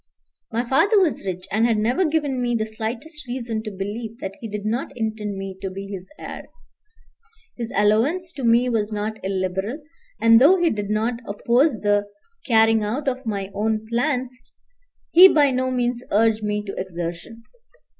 My father was rich, and had never given me the slightest reason to believe that he did not intend me to be his heir. His allowance to me was not illiberal, and though he did not oppose the carrying out of my own plans, he by no means urged me to exertion.